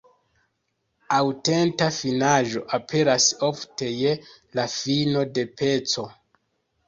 Aŭtenta finaĵo aperas ofte je la fino de peco.